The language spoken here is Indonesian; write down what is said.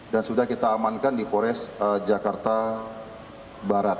sudah kita amankan di pores jakarta barat